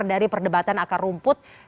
dari perdebatan akar rumput